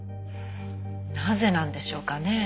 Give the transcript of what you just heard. なぜなんでしょうかね？